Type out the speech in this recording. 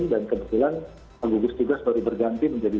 dan kebetulan gugus tugas baru berganti menjadi